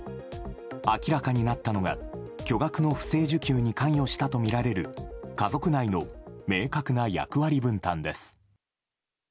明らかになったのが巨額の不正受給に関与したとみられる家族内の明確な役割分担です。